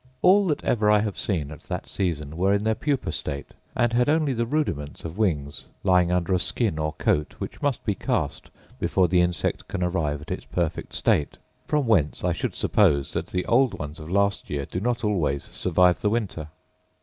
All that ever I have seen at that season were in their pupa state, and had only the rudiments of wings, lying under a skin or coat, which must be cast before the insect can arrive at its perfect state;* from whence I should suppose that the old ones of last year do not always survive the winter.